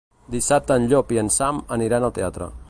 Dissabte en Llop i en Sam aniran al teatre.